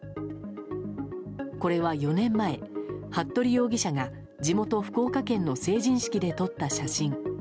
これは４年前服部容疑者が地元・福岡県の成人式で撮った写真。